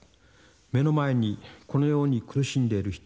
「目の前にこのように苦しんでいる人たちがいる。